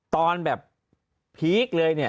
ตอนแบบพีคเลยเนี่ย